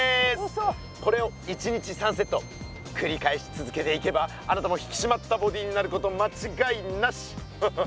これを１日３セットくり返しつづけていけばあなたも引きしまったボディーになることまちがいなし！えむり！